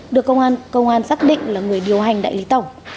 được công an xác định là người điều hành đại lý tổng